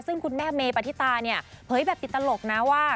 ซึ่งคุณแม่เมปฏิตาเนี่ยเผยแบบติดตลกนะว่า